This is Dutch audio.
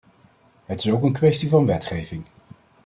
Het is ook een kwestie van wetgeving.